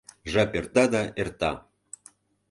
Жап эрта да эрта...